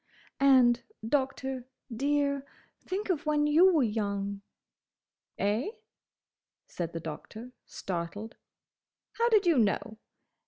"And, Doctor, dear—think of when you were young!" "Eh?" said the Doctor, startled. "How did you know?